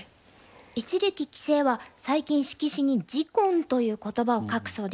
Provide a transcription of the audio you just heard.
一力棋聖は最近色紙に「而今」という言葉を書くそうです。